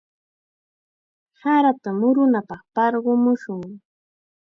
Sarata murunapaq qarpamushun.